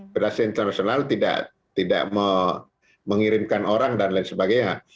federasi internasional tidak mengirimkan orang dan lain sebagainya